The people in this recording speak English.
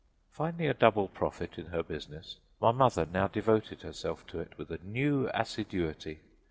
Finding a double profit in her business, my mother now devoted herself to it with a new assiduity.